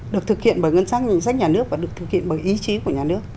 được thực hiện bởi ngân sách ngân sách nhà nước và được thực hiện bởi ý chí của nhà nước